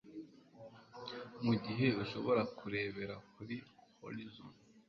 mugihe ushobora kurebera kuri horizoni